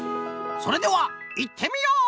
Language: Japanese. それではいってみよう！